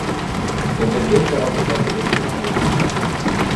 O bebê coloca o pé direito na boca.